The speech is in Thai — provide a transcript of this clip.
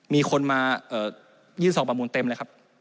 มีคนมายื่นสอบประมูลเต็มเลยครับ